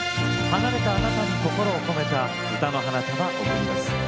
離れたあなたに心を込めた歌の花束贈ります。